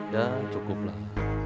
dan cukup lah